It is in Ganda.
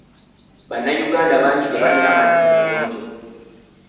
Bannayuganda bangi tebalina mazzi mayonjo.